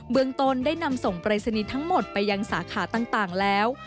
เมืองตนได้นำส่งปรายศนีย์ทั้งหมดไปยังสาขาต่างแล้ว